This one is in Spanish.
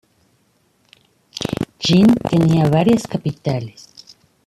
Jin tenía varias capitales.